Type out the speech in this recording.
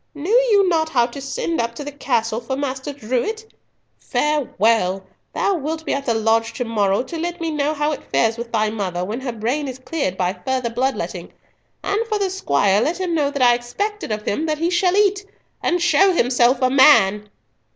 Knew you not how to send up to the castle for Master Drewitt? Farewell! Thou wilt be at the lodge to morrow to let me know how it fares with thy mother, when her brain is cleared by further blood letting. And for the squire, let him know that I expect it of him that he shall eat, and show himself a man!"